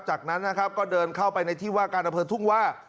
จากนั้นนะครับก็เดินเข้าไปในที่ว่าการอำเภอทุ่งว่า